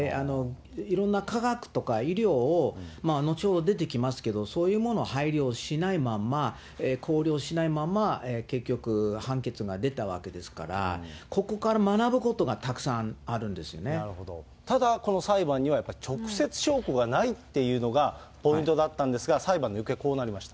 いろんな科学とか医療を後ほど出てきますけど、そういうものを配慮しないまんま、考慮しないまま結局、判決が出たわけですから、ここから学ぶことがたくさんあるんですただ、この裁判には直接証拠がないというのがポイントだったんですが、裁判の行方、こうなりました。